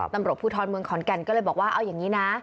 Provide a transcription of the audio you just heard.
ตำรวจภูทรเมืองขอนแก่นก็เลยบอกว่าเอาอย่างนี้นะ